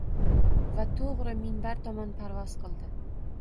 va to‘g‘ri minbar tomon parvoz qildi.